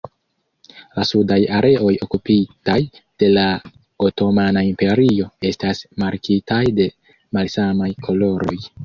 La sudaj areoj okupitaj de la otomana imperio estas markitaj de malsamaj koloroj.